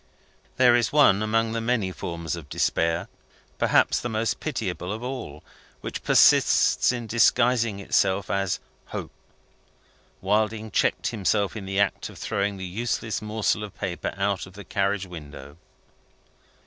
There is one among the many forms of despair perhaps the most pitiable of all which persists in disguising itself as Hope. Wilding checked himself in the act of throwing the useless morsel of paper out of the carriage window.